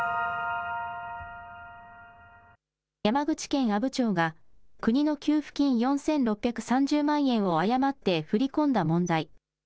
山口県阿武町が国の給付金４６３０万円を誤って振り込んだ問題。